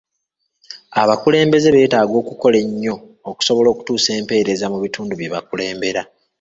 Abakulembeze betaaga okukola ennyo okusobola okutuusa empereza mu bitundu byebakulembera.